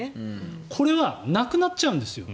これはなくなっちゃうんですよ。